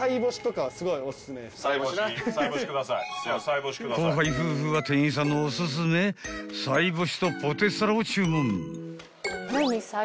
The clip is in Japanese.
［後輩夫婦は店員さんのおすすめさいぼしとポテサラを注文］